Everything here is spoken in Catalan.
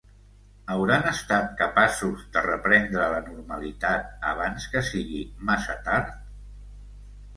Hauran estat capaços de reprendre la normalitat abans que sigui massa tard?